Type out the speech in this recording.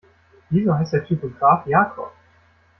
Wieso heißt der Typograf Jakob?